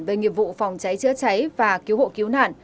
về nghiệp vụ phòng cháy chữa cháy và cứu hộ cứu nạn